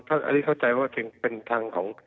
อันนี้เข้าใจว่าถึงเป็นทางของ